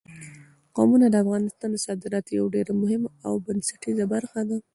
قومونه د افغانستان د صادراتو یوه ډېره مهمه او بنسټیزه برخه ده.